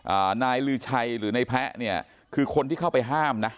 อ่านายลือชัยหรือนายแพ้เนี่ยคือคนที่เข้าไปห้ามนะ